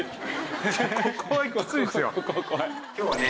今日はね